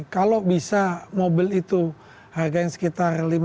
kalau bisa mobil itu harga yang sekitar